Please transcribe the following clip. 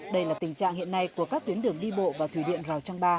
đây là tình trạng hiện nay của các tuyến đường đi bộ vào thủy điện giao trang ba